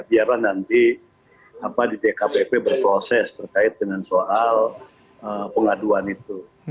biarlah nanti di dkpp berproses terkait dengan soal pengaduan itu